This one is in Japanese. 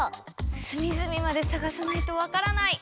すみずみまでさがさないと分からない！